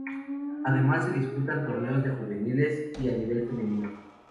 Además se disputan torneos de juveniles y a nivel femenino.